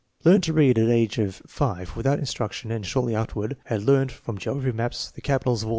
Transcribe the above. Learned to read at age of 5 without instruction and shortly afterward had learned from geog raphy maps the capitals of all the Fra.